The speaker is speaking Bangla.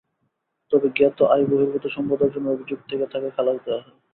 তবে জ্ঞাত আয়বহির্ভূত সম্পদ অর্জনের অভিযোগ থেকে তাঁকে খালাস দেওয়া হয়।